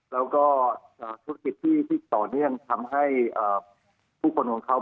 แล้วก็ธุรกิจที่ต่อเนื่องทำให้ผู้คนของเขา